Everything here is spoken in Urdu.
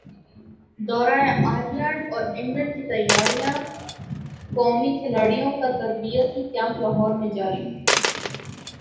دورہ ائرلینڈ اور انگلینڈ کی تیاریاںقومی کھلاڑیوں کا تربیتی کیمپ لاہور میں جاری